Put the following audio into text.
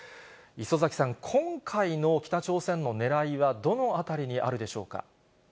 礒崎さん、今回の北朝鮮のねらいはどのあたりにあるでしょうか。